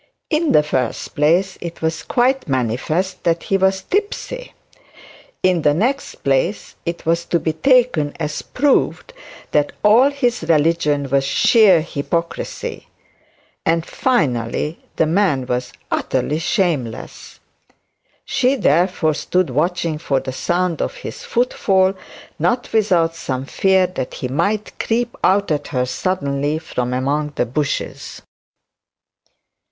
In the first place it was quite manifest that he was tipsy; in the next place, it was to be taken as proved that all his religion was sheer hypocrisy; and finally the man was utterly shameless. She therefore stood watching for the sound of his footfall, not without some fear that he might creep out at her suddenly from among the bushes.